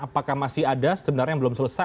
apakah masih ada sebenarnya yang belum selesai